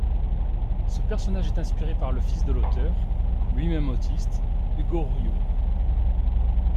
Ce personnage est inspiré par le fils de l'auteure, lui-même autiste, Hugo Horiot.